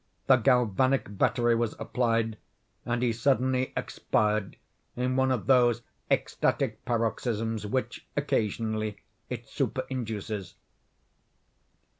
The galvanic battery was applied, and he suddenly expired in one of those ecstatic paroxysms which, occasionally, it superinduces.